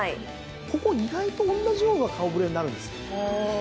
ここ意外とおんなじような顔触れになるんですよ。